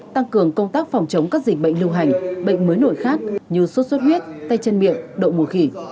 tăng cường công tác phòng chống các dịch bệnh lưu hành bệnh mới nổi khác như suốt suốt huyết tay chân miệng độ mùa khỉ